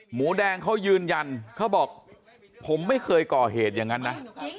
หมูแดงเขายืนยันเขาบอกผมไม่เคยก่อเหตุอย่างนั้นนะ